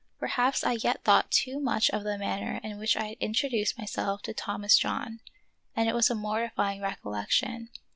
Perhaps I yet thought too much of the manner in which I had introduced myself to Thomas John, and it was a mortifying recollection.